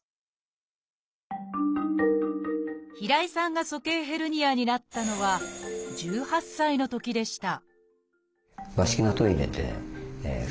平井さんが鼠径ヘルニアになったのは１８歳のときでした